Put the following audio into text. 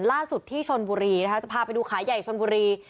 ล่าสุดที่ชนบุรีนะคะจะพาไปดูขายใหญ่ชนบุรี